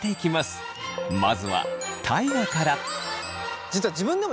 まずは大我から！